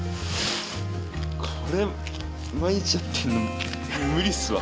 ・これ毎日やってんの無理っすわ。